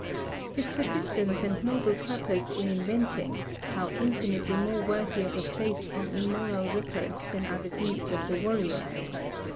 His persistence and noble purpose in inventing how infinitely more worthy of a place on immortal records than are the deeds of the warrior!